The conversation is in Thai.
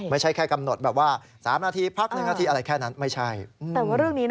ไม่ใช่แค่กำหนดแบบว่า๓นาทีพัก๑นาทีอะไรแค่นั้นไม่ใช่